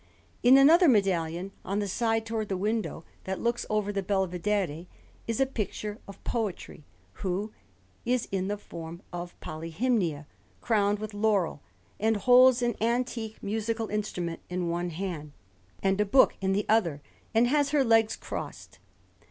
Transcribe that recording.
In another medallion, on the side towards the window that looks over the Belvedere, is a figure of Poetry, who is in the form of Polyhymnia, crowned with laurel, and holds an antique musical instrument in one hand, and a book in the other, and has her legs crossed.